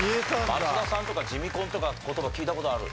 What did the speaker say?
松田さんとか「地味婚」とか言葉聞いた事ある？